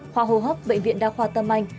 khoa hồ hấp bệnh viện đa khoa tâm anh